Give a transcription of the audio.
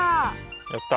やった！